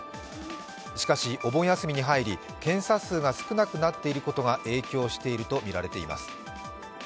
しかし、お盆休みに入り、検査数が少なくなっていることが影響しているとみられています。